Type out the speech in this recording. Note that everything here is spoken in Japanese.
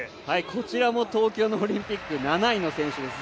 こちらも東京オリンピック７位の選手です。